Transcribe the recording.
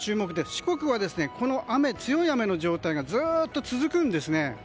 四国は強い雨の状態がずっと続くんですね。